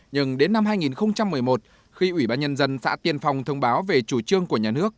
nhưng đến năm hai nghìn một mươi một khi ủy ban nhân dân xã tiên phong thông báo về chủ trương của nhà nước